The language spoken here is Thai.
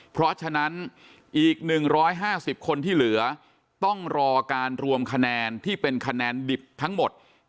เพราะฉะนั้นอีก๑๕๐คนที่เหลือต้องรอการรวมคะแนนที่เป็นคะแนนดิบทั้งหมด